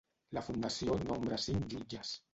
La fundació nombra cinc jutges.